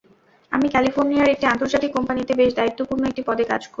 আমি ক্যালিফোর্নিয়ায় একটি আন্তর্জাতিক কোম্পানিতে বেশ দায়িত্বপূর্ণ একটি পদে কাজ করি।